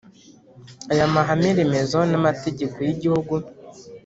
Aya Mahame Remezo N Amategeko Y Igihugu